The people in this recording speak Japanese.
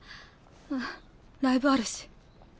うんライブあるし。